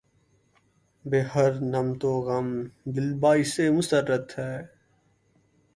بہ ہر نمط غمِ دل باعثِ مسرت ہے